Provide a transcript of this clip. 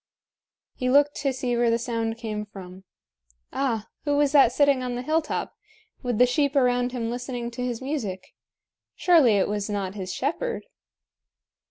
He looked to see where the sound came from. Ah! who was that sitting on the hilltop, with the sheep around him listening to his music? Surely it was not his shepherd?